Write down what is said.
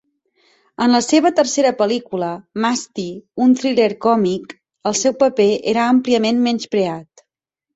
En la seva tercera pel·lícula, "Masti", un thriller còmic, el seu paper era àmpliament menyspreat.